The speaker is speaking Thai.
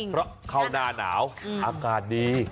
เพราะเข้าหน้าหนาวอากาศดี